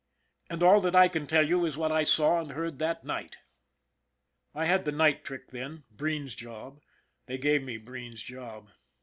And all that I can tell you is what I saw and heard that night. I had the night trick then Breen's job they gave me Breen's job.